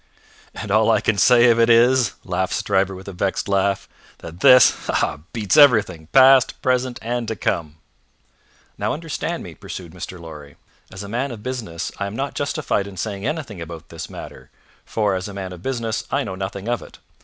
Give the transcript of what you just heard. "And all I can say of it is," laughed Stryver with a vexed laugh, "that this ha, ha! beats everything past, present, and to come." "Now understand me," pursued Mr. Lorry. "As a man of business, I am not justified in saying anything about this matter, for, as a man of business, I know nothing of it.